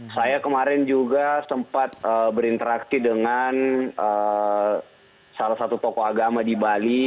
saya kemarin juga sempat berinteraksi dengan salah satu tokoh agama di bali